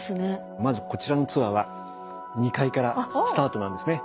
まずこちらのツアーは２階からスタートなんですね。